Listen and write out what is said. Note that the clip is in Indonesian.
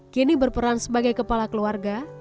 kini berperan sebagai kepala keluarga